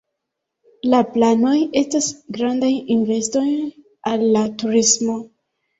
La planoj estas grandaj investoj al la turismo.